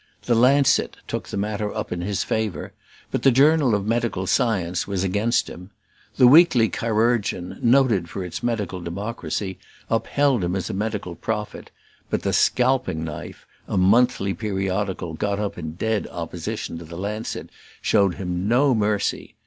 The Lancet took the matter up in his favour, but the Journal of Medical Science was against him; the Weekly Chirurgeon, noted for its medical democracy, upheld him as a medical prophet, but the Scalping Knife, a monthly periodical got up in dead opposition to the Lancet, showed him no mercy.